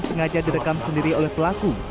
sengaja direkam sendiri oleh pelaku